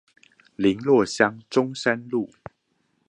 麟洛鄉中山路